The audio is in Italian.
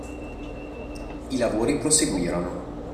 I lavori proseguirono.